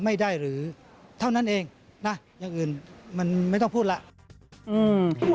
หรือเท่านั้นเองนะอย่างอื่นมันไม่ต้องพูดแล้วอืม